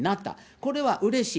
これはうれしい。